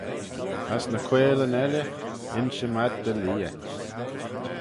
As ny quaiyllyn elley, inshym ad dy leah.